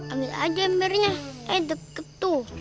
ambil aja benarnya eh deket tuh